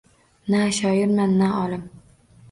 Na shoirman, na olim